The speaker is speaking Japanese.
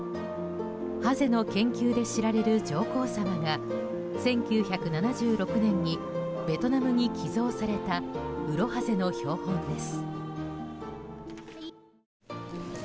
ハゼの研究で知られる上皇さまが１９７６年にベトナムに寄贈されたウロハゼの標本です。